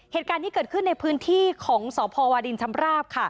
เหตุการณ์ที่เกิดขึ้นในพื้นที่ของสพวาดินชำราบค่ะ